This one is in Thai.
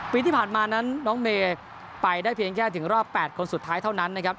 ปีที่ผ่านมานั้นน้องเมย์ไปได้เพียงแค่ถึงรอบ๘คนสุดท้ายเท่านั้นนะครับ